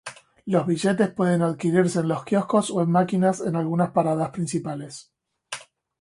Los billetes pueden adquirirse en los quioscos o en máquinas en algunas paradas principales.